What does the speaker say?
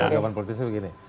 jawaban politisnya begini